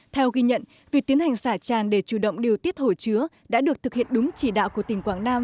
theo ghi nhận việc tiến hành xả tràn để chủ động điều tiết hồ chứa đã được thực hiện đúng chỉ đạo của tỉnh quảng nam